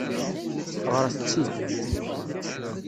Ɣṛet-tt-id.